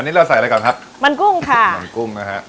อันนี้เราใส่อะไรก่อนครับมันกุ้งค่ะมันกุ้งนะฮะ